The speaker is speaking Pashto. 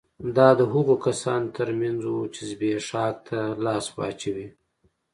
دا د هغو کسانو ترمنځ وو چې زبېښاک ته لاس واچوي